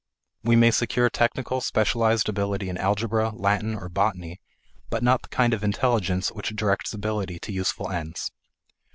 We may secure technical specialized ability in algebra, Latin, or botany, but not the kind of intelligence which directs ability to useful ends.